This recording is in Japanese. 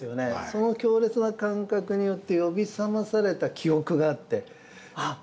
その強烈な感覚によって呼び覚まされた記憶があってあっ